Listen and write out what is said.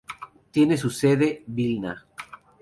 Tiene su sede Vilna.